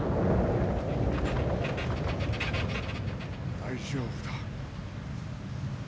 大丈夫だ。